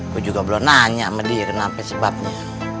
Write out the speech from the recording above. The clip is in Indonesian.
gue juga belum nanya sama dia kenapa sebabnya